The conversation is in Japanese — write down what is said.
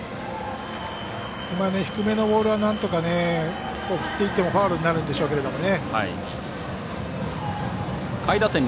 低めのボールは、なんとか振っていってもファウルになるんでしょうけどね。